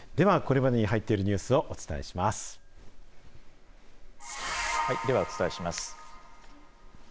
ではこれまでに入っているニューでは、お伝えします。